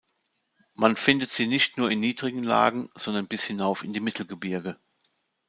Man findet sie nicht nur in niedrigen Lagen, sondern bis hinauf in die Mittelgebirge.